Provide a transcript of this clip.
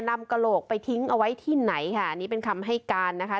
กระโหลกไปทิ้งเอาไว้ที่ไหนค่ะอันนี้เป็นคำให้การนะคะ